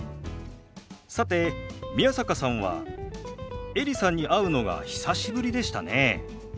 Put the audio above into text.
さて宮坂さんはエリさんに会うのが久しぶりでしたね。